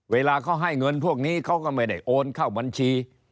เวลาเขาให้เงินพวกนี้เขาก็ไม่ได้โอนเข้าบัญชี